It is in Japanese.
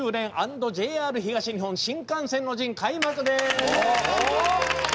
＆ＪＲ東日本・新幹線の陣」開幕です！